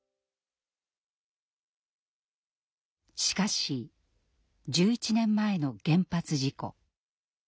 しかし１１年前の原発事故。